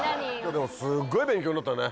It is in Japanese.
すごい勉強になったね。